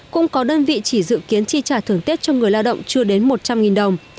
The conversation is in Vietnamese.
cũng có đơn vị chỉ dự kiến chi trả thưởng tết cho người lao động